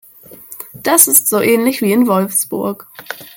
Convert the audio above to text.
Das ist so ähnlich wie in Wolfsburg